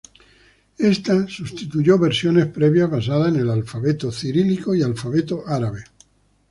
Esta sustituyó versiones previas basadas en el alfabeto cirílico y alfabeto árabe.